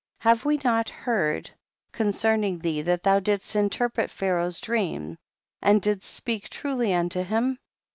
33. Have we not heard concerning thee that thou didst interpret Pha* raoh's dream and didst speak truly unto him